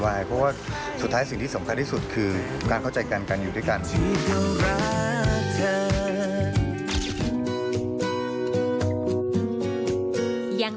ว่ากำลังดูใจกับนางเอกสาวไซส์มินิอยู่จริง